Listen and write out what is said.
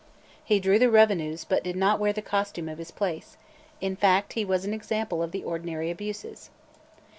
He drew the revenues, but did not wear the costume of his place; in fact, he was an example of the ordinary abuses.